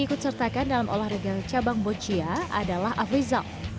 yang disertakan dalam olahraga cabang bohcia adalah afrizal